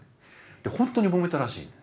本当にもめたらしい。